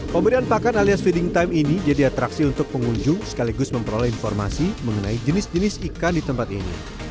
pemberian pakan alias feeding time ini jadi atraksi untuk pengunjung sekaligus memperoleh informasi mengenai jenis jenis ikan di tempat ini